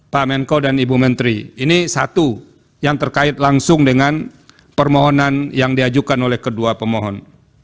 pak menko dan ibu menteri ini satu yang terkait langsung dengan permohonan yang diajukan oleh kedua pemohon